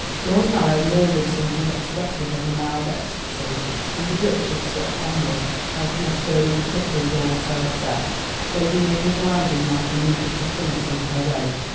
Lord Mallow murmured something expressive of a mild ecstasy, and the Duchess swept onward, like an Australian clipper with all sails set, Lady Mabel gliding like a neat little pinnace in her wake.